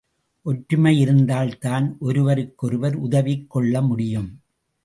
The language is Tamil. ஒற்றுமையிருந்தால் தான் ஒருவருக்கொருவர் உதவிக் கொள்ளமுடியும்.